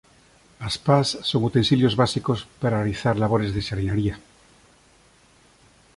As pas son utensilios básicos para realizar labores de xardinaría.